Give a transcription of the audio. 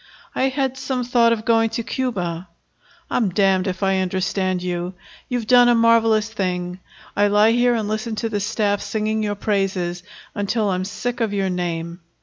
"I had some thought of going to Cuba." "I'm damned if I understand you. You've done a marvelous thing; I lie here and listen to the staff singing your praises until I'm sick of your name!